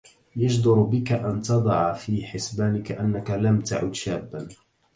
يجدر بك أن تضع في حسبانك أنك لم تعد شابا.